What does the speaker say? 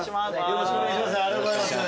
よろしくお願いします